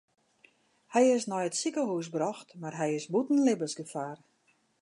Hy is nei it sikehús brocht mar hy is bûten libbensgefaar.